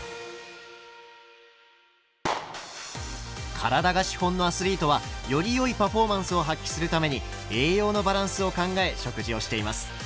体が資本のアスリートはよりよいパフォーマンスを発揮するために栄養のバランスを考え食事をしています。